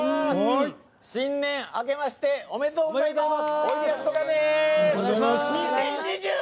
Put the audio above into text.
新年あけましておめでとうございます。